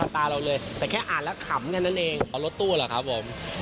รถตู้เหรอครับผม